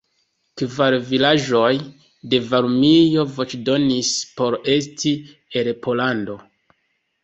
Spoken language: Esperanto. Kvar vilaĝoj de Varmio voĉdonis por esti en Pollando.